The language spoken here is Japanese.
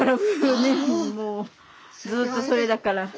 それだから。